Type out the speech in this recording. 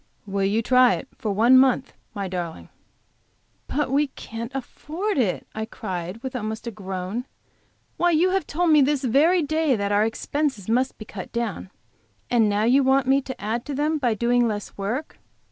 Will you try it for one month, my darling?" "But we can't afford it," I cried, with almost a groan. "Why, you have told me this very day that our expenses must be cut down, and now you want me to add to them by doing less work.